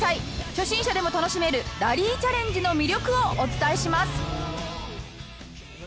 初心者でも楽しめるラリーチャレンジの魅力をお伝えします